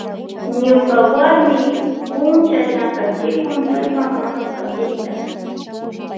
Ñuka warmi kuncha llankachikun paypa monopatinta.